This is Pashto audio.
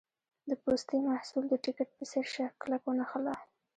د پوستي محصول د ټیکټ په څېر شه کلک ونښله.